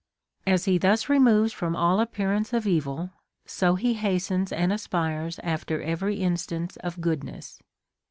As he thus removes from all appearance of evil, so he hastens and aspires after every instance of good ness.